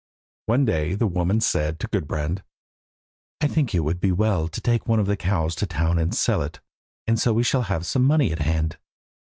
One day the woman said to Gudbrand. "I think it would be well to take one of the cows to town and sell it, and so we shall have some money at hand.